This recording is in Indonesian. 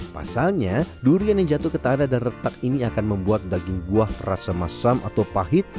pasalnya durian yang jatuh ke tanah dan retak ini akan membuat daging buah terasa masam atau pahit